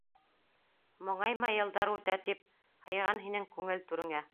Моңайма йылдар үтә тип, Һыйған һинең күңел түреңә.